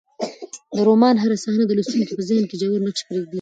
د رومان هره صحنه د لوستونکي په ذهن کې ژور نقش پرېږدي.